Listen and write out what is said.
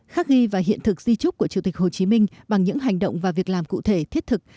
khắc ghi và hiện thực di trúc của chủ tịch hồ chí minh bằng những hành động và việc làm cụ thể thiết thực